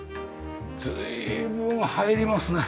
随分入りますね。